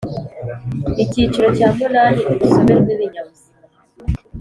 Icyiciro cya munani Urusobe rw ibinyabuzima